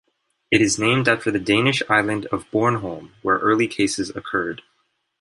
It is named after the Danish island of Bornholm where early cases occurred.